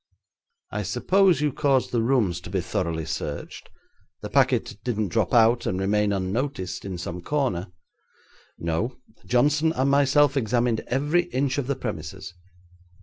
'I suppose you caused the rooms to be thoroughly searched. The packet didn't drop out and remain unnoticed in some corner?' 'No; Johnson and myself examined every inch of the premises.'